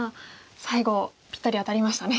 最後ぴったり当たりましたね。